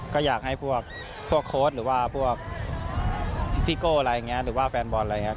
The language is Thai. ก็อยากให้พวกโค้ดหรือว่าพี่โก้หรือว่าแฟนบอลอะไรอย่างนี้